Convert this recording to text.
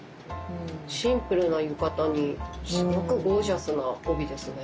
シンプルな浴衣にすごくゴージャスな帯ですね。